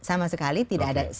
sama sekali tidak